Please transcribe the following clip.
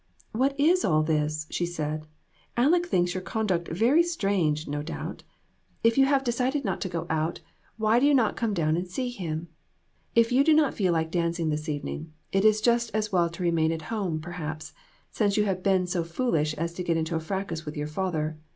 "What is all this?" she said. "Aleck thinks your conduct very strange, no doubt. If you 294 AN EVENTFUL AFTERNOON. have decided not to go out, why do you not come down and see him ? If you do not feel like danc ing this evening, it is just as well to remain at home, perhaps, since you have been so foolish as to get into a fracas with your father.